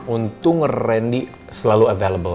untung randy selalu available